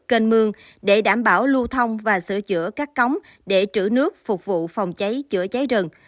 kênh mương để đảm bảo lưu thông và sửa chữa các cống để trữ nước phục vụ phòng cháy chữa cháy rừng